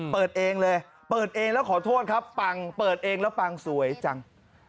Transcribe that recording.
เปิดเองเลยเปิดเองแล้วขอโทษครับปังเปิดเองแล้วปังสวยจัง